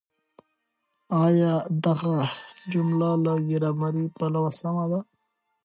آيا دغه جمله له ګرامري پلوه سمه ده؟